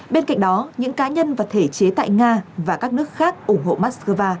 bên cạnh đó những cá nhân và thể chế tại nga và các nước khác ủng hộ moscow